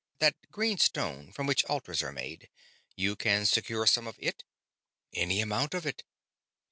That green stone from which altars are made you can secure some of it?" "Any amount of it."